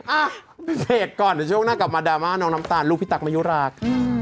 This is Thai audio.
เอ้าสเตกก่อนในช่วงหน้ากลับมาดาม่าน้องน้ำตาลลูกพี่ตักมายุราก